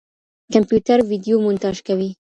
کمپيوټر ويډيو مونتاژ کوي.